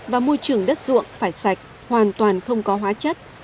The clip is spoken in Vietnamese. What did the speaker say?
và môi trường đất ruộng phải sạch hoàn toàn không có hóa chất